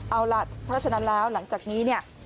เอาล่ะเพราะฉะนั้นแล้วหลังจากนี้เนี่ย